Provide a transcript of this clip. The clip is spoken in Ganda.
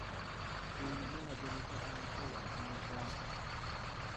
Ono Nnaabagereka aliko waakumeka?